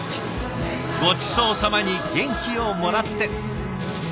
「ごちそうさま」に元気をもらって。